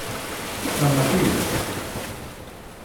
San Matias.